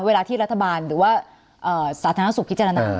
เวลาที่รัฐบาลหรือว่าสาธารณสุขิจรรย์นั้น